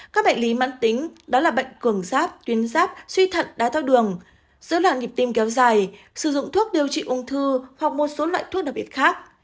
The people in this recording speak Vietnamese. các bệnh lý mãn tính đó là bệnh cường giáp tuyến giáp suy thận đá thao đường dối loạn nhịp tim kéo dài sử dụng thuốc điều trị ung thư hoặc một số loại thuốc đặc biệt khác